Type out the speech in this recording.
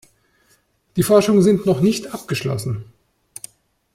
Die Forschungen sind noch nicht abgeschlossen.